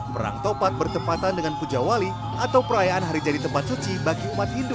perang tupat bertempatan dengan puja wali atau perayaan hari jadi tempat suci bagi umat hindu